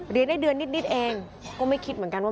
เรียนได้เดือนนิดเองก็ไม่คิดเหมือนกันว่า